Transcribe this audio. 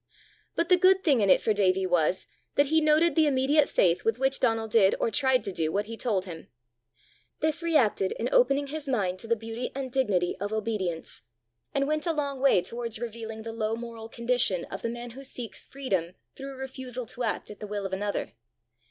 But the good thing in it for Davie was, that he noted the immediate faith with which Donal did or tried to do what he told him: this reacted in opening his mind to the beauty and dignity of obedience, and went a long way towards revealing the low moral condition of the man who seeks freedom through refusal to act at the will of another.